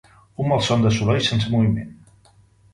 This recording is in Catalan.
Un malson de soroll sense moviment